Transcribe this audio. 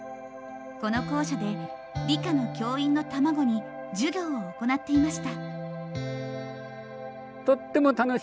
この校舎で理科の教員の卵に授業を行っていました。